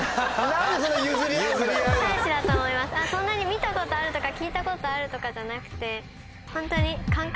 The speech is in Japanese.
見たことあるとか聞いたことあるとかじゃなくて。